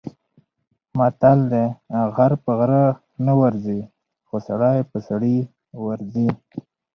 متل دی: غر په غره نه ورځي، خو سړی په سړي ورځي.